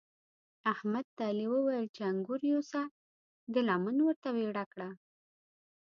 احمد ته علي وويل چې انګور یوسه؛ ده لمن ورته ويړه کړه.